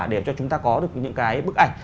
để cho chúng ta có được những cái bức ảnh